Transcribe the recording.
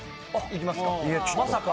いきますか。